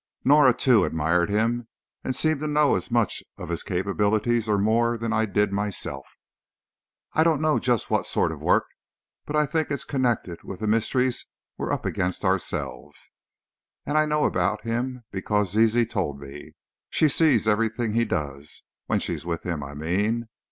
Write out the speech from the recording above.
Norah, too, admired him, and seemed to know as much of his capabilities, or more, than I did myself. "I don't know just what sort of work, but I think it's connected with the mysteries we're up against ourselves. And I know about him, because Zizi told me. She sees everything he does, when she's with him, I mean.